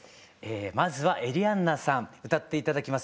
まずはエリアンナさん歌って頂きます